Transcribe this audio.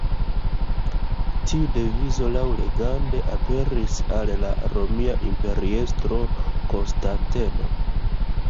Tiu devizo laŭlegende aperis al la romia imperiestro Konstanteno.